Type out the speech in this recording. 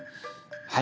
はい。